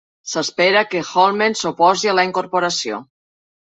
S'espera que Holmen s'oposi a la incorporació.